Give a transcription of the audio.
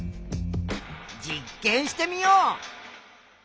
実験してみよう。